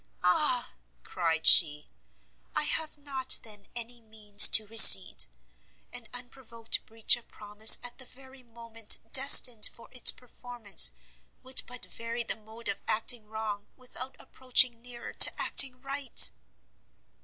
"Ah!" cried she, "I have not, then, any means to recede! an unprovoked breach of promise at the very moment destined for its performance, would but vary the mode of acting wrong, without approaching nearer to acting right!"